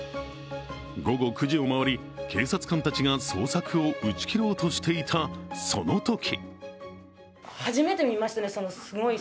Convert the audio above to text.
午後９時を回り、警察官たちが捜索を打ち切ろうとしていたそのとき。